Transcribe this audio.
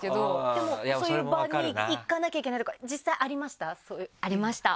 でもそういう場に行かなきゃいけないとか実際ありました？ありました！